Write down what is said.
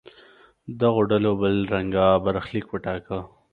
دغو ډلو بل رنګه برخلیک وټاکه.